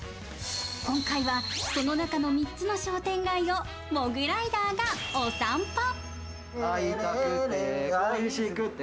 今回はその中の３つの商店街をモグライダーがお散歩。